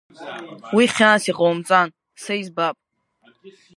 Уи хьаас иҟоумҵан, са избап.